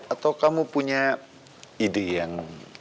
atau kamu punya ide yang